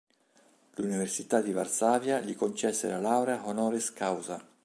L'Università di Varsavia gli concesse la laurea "honoris causa".